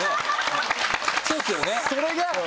そうですよね。